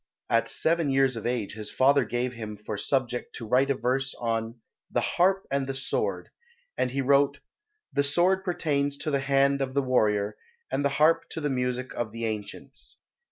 At seven years of age his father gave him for subject to write a verse on "The Harp and the Sword," and he wrote "The Sword pertains to the Hand of the Warrior And the Harp to the Music of the Ancients."